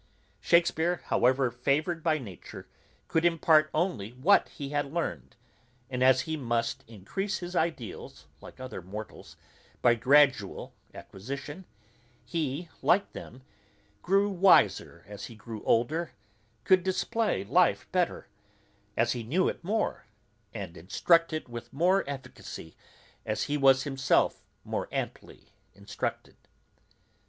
Shakespeare, however favoured by nature, could impart only what he had learned; and as he must increase his ideals, like other mortals, by gradual acquisition, he, like them, grew wiser as he grew older, could display life better, as he knew it more, and instruct with more efficacy, as he was himself more amply instructed.